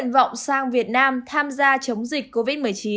vọng sang việt nam tham gia chống dịch covid một mươi chín